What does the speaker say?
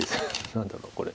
何だろうこれ。